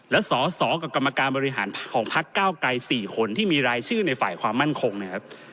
และสอกับกรรมการบริหารพัท๐๙ไก๔คนที่มีรายชื่อในฝ่ายความมั่นคงเนี่ยครับ